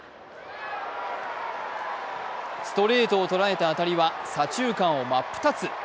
ストレートをとらえた当たりは左中間を真っ二つ。